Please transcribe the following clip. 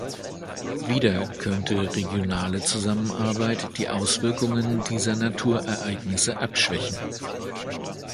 Wieder könnte regionale Zusammenarbeit die Auswirkungen dieser Naturereignisse abschwächen.